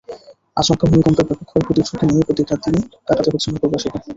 আচমকা ভূমিকম্পের ব্যাপক ক্ষয়ক্ষতির ঝুঁকি নিয়ে প্রতিটি দিন কাটাতে হচ্ছে নগরবাসীকে।